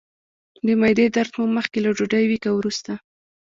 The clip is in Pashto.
د معدې درد مو مخکې له ډوډۍ وي که وروسته؟